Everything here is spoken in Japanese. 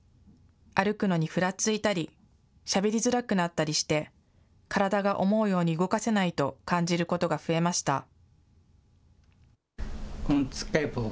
歩くのにふらついたり、しゃべりづらくなったりして、体が思うように動かせないと感じることが増えました。